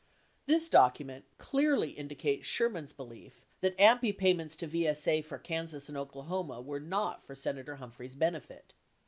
50 This document clearly indicates Sherman's belief that AMPI pay ments to VSA for Kansas and Oklahoma were not for Senator Hum phrey's benefit.